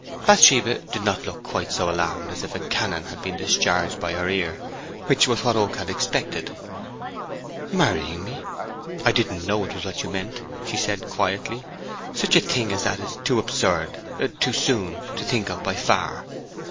Bathsheba did not look quite so alarmed as if a cannon had been discharged by her ear, which was what Oak had expected. "Marrying me! I didn't know it was that you meant," she said, quietly. "Such a thing as that is too absurd—too soon—to think of, by far!"